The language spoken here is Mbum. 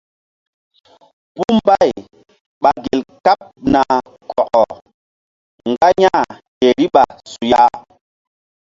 Puh mbay ɓa gel kaɓ na kɔkɔ mgba ya̧h ke riɓa suya.